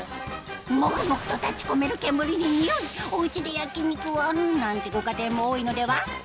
モクモクと立ち込める煙ににおいお家で焼肉はなんてご家庭も多いのでは？